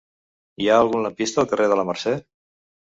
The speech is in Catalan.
Hi ha algun lampista al carrer de la Mercè?